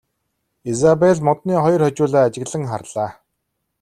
Изабель модны хоёр хожуулаа ажиглан харлаа.